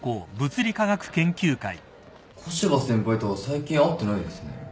古芝先輩とは最近会ってないですね。